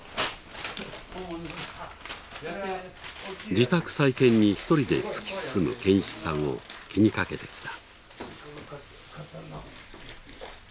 自宅再建に一人で突き進む堅一さんを気にかけてきた。